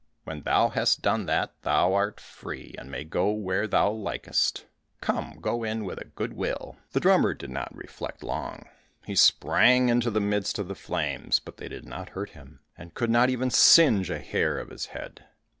When thou hast done that, thou art free, and mayst go where thou likest, come; go in with a good will." The drummer did not reflect long; he sprang into the midst of the flames, but they did not hurt him, and could not even singe a hair of his head.